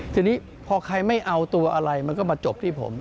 ทีนี้พอใครไม่เอาตัวอะไรมันก็มาจบที่ผม